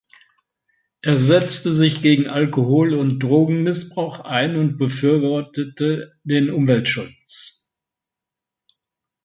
Er setzte sich gegen Alkohol- und Drogenmissbrauch ein und befürwortete den Umweltschutz.